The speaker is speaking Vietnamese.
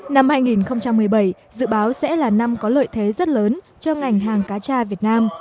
năm hai nghìn một mươi bảy dự báo sẽ là năm có lợi thế rất lớn cho ngành hàng cá tra việt nam